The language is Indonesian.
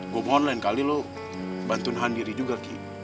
gue mohon lain kali lo bantuin nandiri juga ki